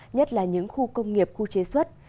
nhất là những khu công nghiệp khu chế xuất